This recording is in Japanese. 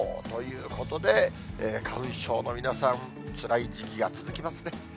ということで、花粉症の皆さん、つらい時期が続きますね。